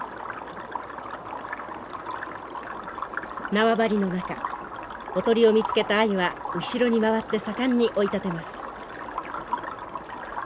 縄張りの中おとりを見つけたアユは後ろに回って盛んに追い立てます。